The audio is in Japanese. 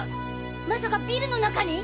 まさかビルの中に？